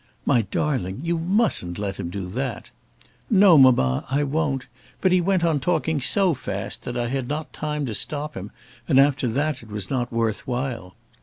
"My darling, you mustn't let him do that." "No, mamma; I won't. But he went on talking so fast that I had not time to stop him, and after that it was not worth while."